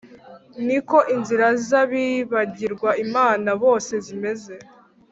ni ko inzira z’abibagirwa imana bose zimeze,